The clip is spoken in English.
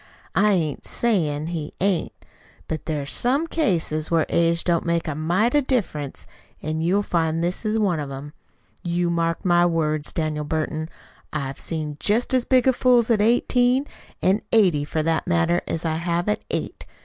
"I ain't sayin' he ain't. But there's some cases where age don't make a mite of difference, an' you'll find this is one of 'em. You mark my words, Daniel Burton. I have seen jest as big fools at eighteen, an' eighty, for that matter, as I have at eight.